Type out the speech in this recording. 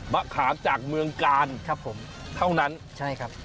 มะขามจากเมืองกาลเท่านั้นครับผมใช่ครับ